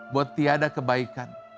buat tiada kebaikan